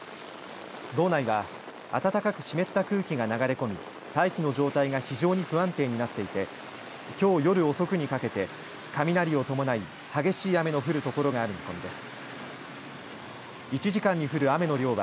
道内は暖かく湿った空気が流れ込み大気の状態が非常に不安定になっていてきょう夜遅くにかけて雷を伴い激しい雨の降る所がある見込みです。